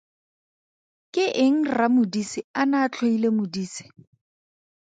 Ke eng RraModise a ne a tlhoile Modise?